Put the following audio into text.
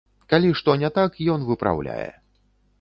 Калі што не так, ён выпраўляе.